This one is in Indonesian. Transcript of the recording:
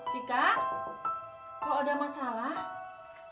tika kalau ada masalah